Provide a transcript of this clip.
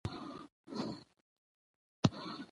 ټغر یی اچولی یعنی د فاتحی مراسم روان دی